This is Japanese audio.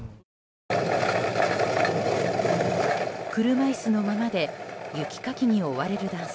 車椅子のままで雪かきに追われる男性。